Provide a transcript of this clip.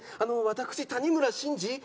私谷村新司